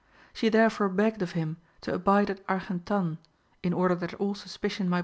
She therefore begged of him to abide at Argentan,(6) in order that all suspicion might be removed.